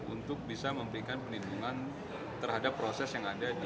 untuk bisa memberikan penindungan terhadap proses yang diperlindungi